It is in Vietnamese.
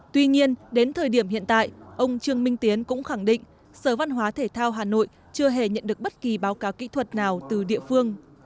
tuy nhiên đến thời điểm hiện tại ông trương minh tiến cũng khẳng định sở văn hóa thể thao hà nội chưa hề nhận được bất kỳ báo cáo kỹ thuật nào từ địa phương